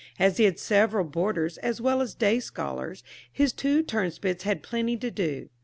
As he had several boarders, as well as day scholars, his two turnspits had plenty to do.